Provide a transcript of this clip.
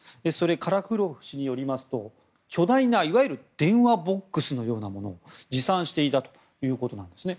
カラクロフ氏によりますと巨大な、いわゆる電話ボックスのようなものを持参していたということなんですね。